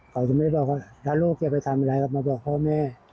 เขาจะไม่ได้บอกว่าถ้าลูกจะไปทำอะไรก็มาบอกพ่อแม่